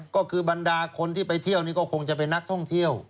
ก็คือบรรดาคนที่ไปเที่ยวนี่ก็คงจะเป็นนักท่องเที่ยว